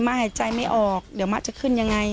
มะหายใจไม่ออกเดี๋ยวมะจะขึ้นอย่างไร